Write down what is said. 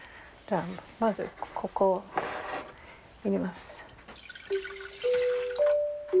まずここ入れます。